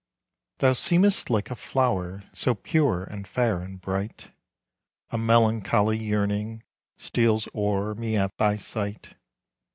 Thou seemest like a flower, So pure and fair and bright; A melancholy yearning Steals o'er me at thy sight.